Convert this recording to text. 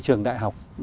một mươi trường đại học